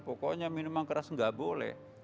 pokoknya minuman keras nggak boleh